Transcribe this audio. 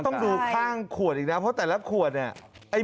ต้องดูข้างขวดอีกนะเพราะแต่ละขวดเนี่ย